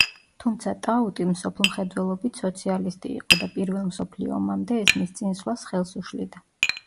თუმცა ტაუტი მსოფლმხედველობით სოციალისტი იყო და პირველ მსოფლიო ომამდე ეს მის წინსვლას ხელს უშლიდა.